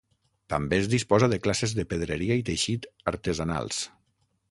També es disposa de classes de pedreria i teixit artesanals.